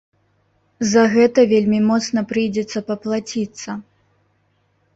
За гэта вельмі моцна прыйдзецца паплаціцца.